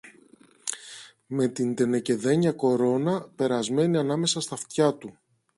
με την τενεκεδένια κορώνα περασμένη ανάμεσα στ' αυτιά του